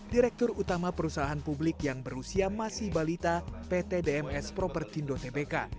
direktur utama perusahaan publik yang berusia masih balita pt dms propertindo tbk